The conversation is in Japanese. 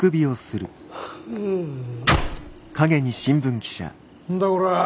んだこら。